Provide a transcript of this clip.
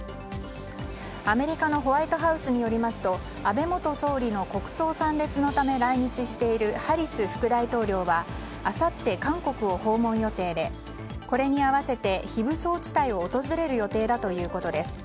アメリカのホワイトハウスによりますと安倍元総理の国葬参列のため来日しているハリス副大統領はあさって韓国を訪問予定でこれに合わせて非武装地帯を訪れる予定だということです。